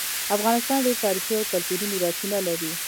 افغانستان ډیر تاریخي او کلتوری میراثونه لري